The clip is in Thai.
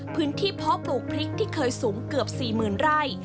เพาะปลูกพริกที่เคยสูงเกือบ๔๐๐๐ไร่